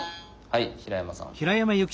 はい平山さん。